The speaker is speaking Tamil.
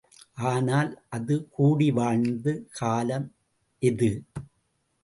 ஆனால் அது கூடி வாழ்ந்த காலம் எது?